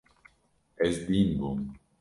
Ez dîn bûm.